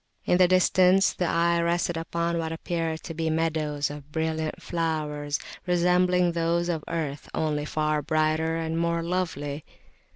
In the distance the eye rested upon what appeared to be meadows of brilliant flowers resembling those of earth, only far brighter and more lovely.